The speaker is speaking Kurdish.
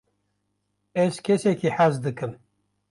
ez kesekî hez dikim